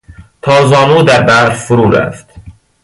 تا زانو در برف فرو رفت.